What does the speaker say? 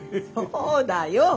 そうだよ。